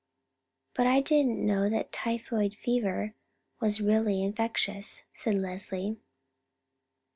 "But I didn't know that typhoid fever was really infectious," said Leslie.